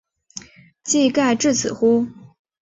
技盖至此乎？